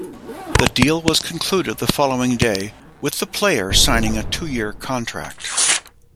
The deal was concluded the following day, with the player signing a two-year contract.